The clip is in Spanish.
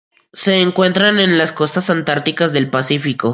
Se encuentran en las costas antárticas del Pacífico.